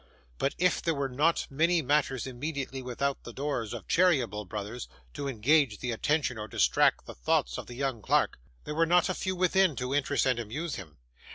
But if there were not many matters immediately without the doors of Cheeryble Brothers, to engage the attention or distract the thoughts of the young clerk, there were not a few within, to interest and amuse him.